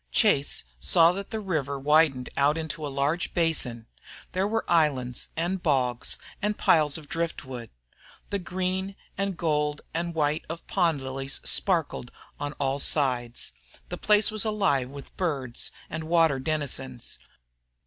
Chase saw that the river widened out into a large basin. There were islands, and bogs, and piles of driftwood. The green and gold and white of pond lilies sparkled on all sides. The place was alive with birds and water denizens.